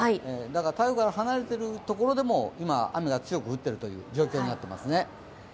台風から離れてるところでも今、雨が強く降っている状況になっています。